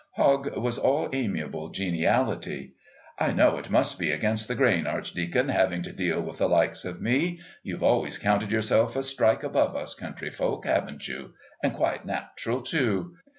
Hogg was all amiable geniality. "I know it must be against the grain, Archdeacon, having to deal with the likes of me. You've always counted yourself a strike above us country folk, haven't you, and quite natural too.